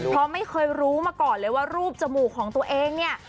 เพราะไม่เคยรู้มาก่อนเลยว่ารูปจมูกของตัวเองเนี่ย